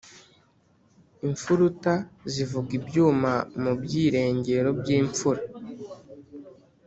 Imfuruta zivuga ibyuma mu byirengero by’imfura.